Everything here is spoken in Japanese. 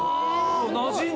なじんだ。